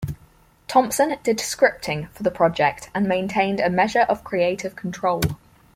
Thompson did scripting for the project and maintained a measure of creative control.